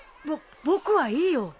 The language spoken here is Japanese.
ぼ僕はいいよ。